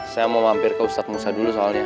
saya mau mampir ke ustadz musa dulu soalnya